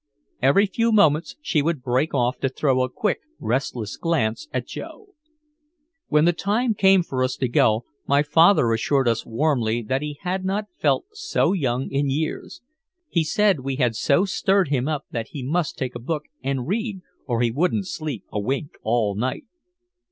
Every few moments she would break off to throw a quick, restless glance at Joe. When the time came for us to go, my father assured us warmly that he had not felt so young in years. He said we had so stirred him up that he must take a book and read or he wouldn't sleep a wink all night.